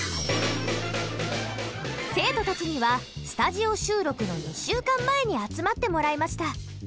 生徒たちにはスタジオ収録の２週間前に集まってもらいました。